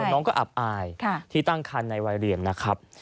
น้องก็อับอายที่ตั้งคันในวัยเรียนนะครับ